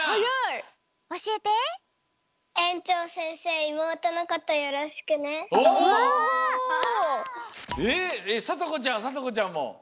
えっさとこちゃんさとこちゃんも！